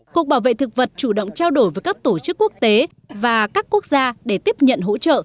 cục bảo vệ thực vật chủ động trao đổi với các tổ chức quốc tế và các quốc gia để tiếp nhận hỗ trợ